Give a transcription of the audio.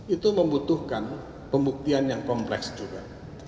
itu membutuhkan pembuktian yang kompleks juga